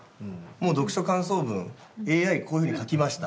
もう、読書感想文ＡＩ、こういうふうに書きました。